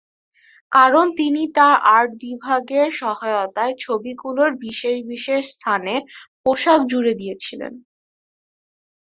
কারণ তিনি তার আর্ট বিভাগের সহায়তায় ছবিগুলোর বিশেষ বিশেষ স্থানে পোশাক জুড়ে দিয়েছিলেন।